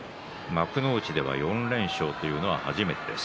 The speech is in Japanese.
幕内では４連勝というのは初めてです。